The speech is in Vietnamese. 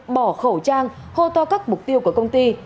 bỏ khẩu trang hô to các mục tiêu của công ty